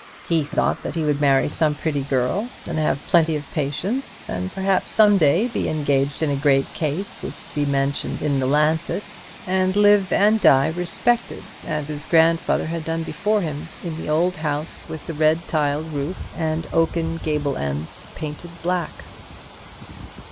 He thought that he would marry some pretty girl, and have plenty of patients, and perhaps some day be engaged in a great case which would be mentioned in the "Lancet," and live and die respected, as his grandfather had done before him, in the old house with the red tiled roof and oaken gable ends painted black.